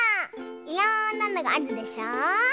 いろんなのがあるでしょ。